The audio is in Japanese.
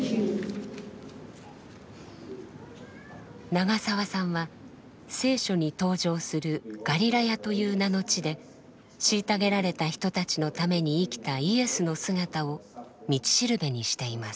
長澤さんは聖書に登場する「ガリラヤ」という名の地で虐げられた人たちのために生きたイエスの姿を道しるべにしています。